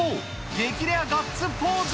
激レアガッツポーズ。